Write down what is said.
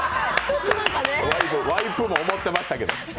ワイプも思ってましたけど。